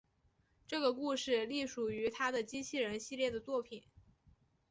这个故事隶属于他的机器人系列的作品。